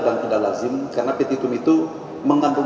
dan tidak lazim karena petitum itu mengandung